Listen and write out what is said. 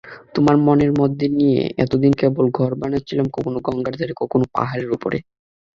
তোমাকে মনের মধ্যে নিয়ে এতদিন কেবল ঘর বানাচ্ছিলুম–কখনো গঙ্গার ধারে, কখনো পাহাড়ের উপরে।